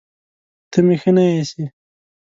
ته مې ښه نه ايسې